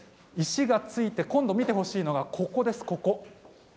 石がついて今度見てほしいのがこちらです。